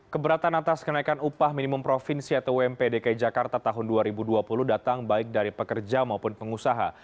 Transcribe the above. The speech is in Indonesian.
keberatan atas kenaikan upah minimum provinsi atau ump dki jakarta tahun dua ribu dua puluh datang baik dari pekerja maupun pengusaha